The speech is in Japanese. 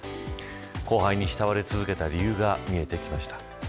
後輩に慕われ続けた理由が見えてきました。